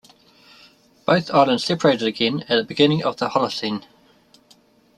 Both islands separated again at the beginning of the Holocene.